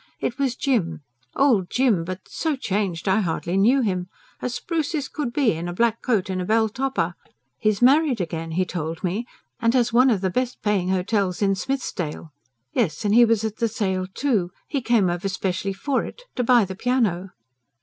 It was Jim, Old Jim, but so changed I hardly knew him. As spruce as could be, in a black coat and a belltopper. He's married again, he told me, and has one of the best paying hotels in Smythesdale. Yes, and he was at the sale, too he came over specially for it to buy the piano."